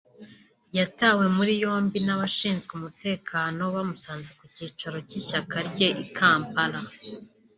yatawe muri yombi n’abashinzwe umutekano bamusanze ku cyicaro cy’ishyaka rye i Kampala